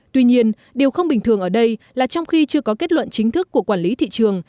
tuy nhiên điều không bình thường ở đây là trong khi chưa có kết luận chính thức của quản lý thị trường